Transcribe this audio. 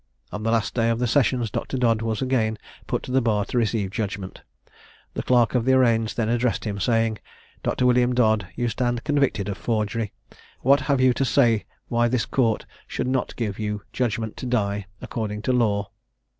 On the last day of the sessions Dr. Dodd was again put to the bar to receive judgment. The clerk of the arraigns then addressed him, saying, "Dr. William Dodd, you stand convicted of forgery, what have you to say why this court should not give you judgment to die, according to law?"